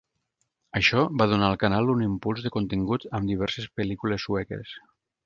Això va donar al canal un impuls de contingut amb diverses pel·lícules sueques.